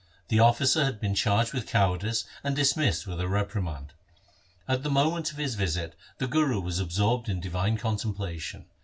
The officer had been charged with cowardice and dismissed with a reprimand. At the moment of his visit the Guru was absorbed in divine contemplation.